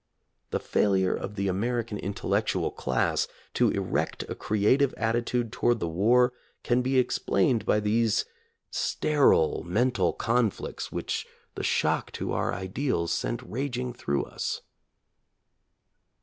The failure of the American intellectual class to erect a creative attitude toward the war can be explained by these sterile mental conflicts which the shock to our ideals sent raging through us.